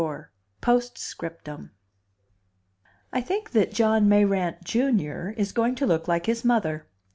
XXIV: Post Scriptum I think that John Mayrant, Jr., is going to look like his mother.